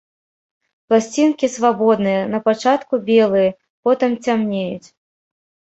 Пласцінкі свабодныя, напачатку белыя, потым цямнеюць.